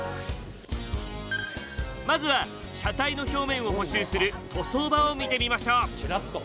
まずは車体の表面を補修する塗装場を見てみましょう。